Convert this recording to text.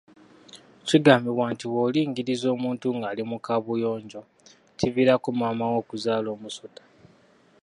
Kigambibwa nti bw’olingiriza omuntu ng’ali mu kaabuyonjo kiviirako maama wo okuzaala omusota.